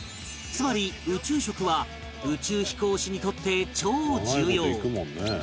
つまり宇宙食は宇宙飛行士にとって超重要